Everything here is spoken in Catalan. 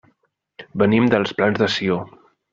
Venim dels Plans de Sió.